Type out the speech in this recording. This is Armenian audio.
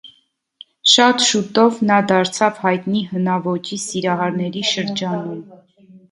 Շատ շուտով նա դարձավ հայտնի հնաոճի սիրահարների շրջանում։